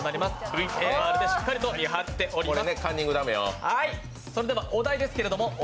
ＶＡＲでしっかりと見張っております。